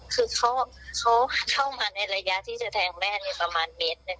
คือเขามาในระยะที่จะแทงแม่ประมาณเมตร